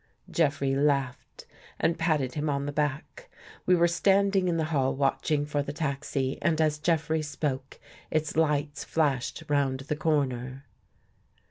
" Jeffrey laughed and patted him on the back. We were standing in the hall watching for the taxi, and as Jeffrey spoke, its lights flashed round the corner.